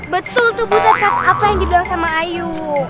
betul tuh bu tekad apa yang dibilang sama ayu